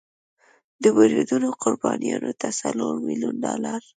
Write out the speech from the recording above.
د بریدونو قربانیانو ته څلور میلیون ډالر